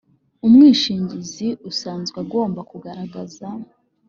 umwishingizi usanzwe agomba kugaragaza